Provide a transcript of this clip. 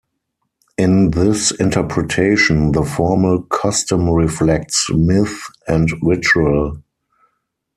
In this interpretation, the formal custom reflects myth and ritual.